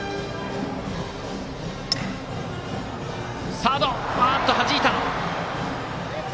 サード、はじいた！